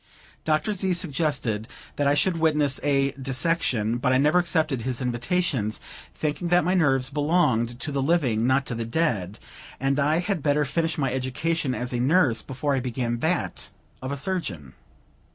Dr. Z. suggested that I should witness a dissection; but I never accepted his invitations, thinking that my nerves belonged to the living, not to the dead, and I had better finish my education as a nurse before I began that of a surgeon.